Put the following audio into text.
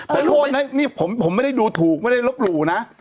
แต่โทษนะนี่ผมไม่ได้ดูถูกไม่ได้ลบหลู่นะ